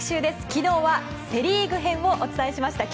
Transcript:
昨日はセ・リーグ編をお伝えしました。